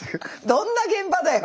どんな現場だよ！